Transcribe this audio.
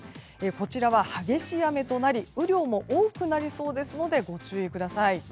こちらは激しい雨となり雨量も多くなりそうですのでご注意ください。